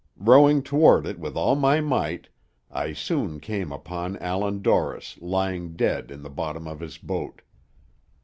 Rowing toward it with all my might, I soon came upon Allan Dorris lying dead in the bottom of his boat.